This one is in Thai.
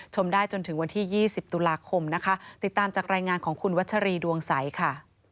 ชมได้จนถึงวันที่๒๐ตุลาคมนะคะติดตามจากรายงานของคุณวัชรีดวงใสค่ะ